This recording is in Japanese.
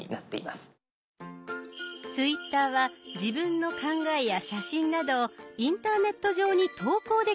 ツイッターは自分の考えや写真などをインターネット上に投稿できるアプリです。